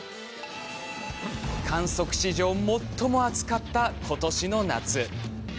観測史上最も暑かった今年の夏。